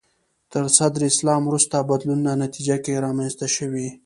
تر صدر اسلام وروسته بدلونونو نتیجه کې رامنځته شوي